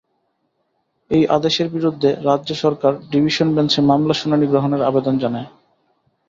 এই আদেশের বিরুদ্ধে রাজ্য সরকার ডিভিশন বেঞ্চে মামলার শুনানি গ্রহণের আবেদন জানায়।